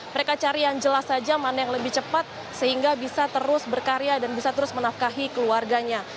mereka cari yang jelas saja mana yang lebih cepat sehingga bisa terus berkarya dan bisa terus menafkahi keluarganya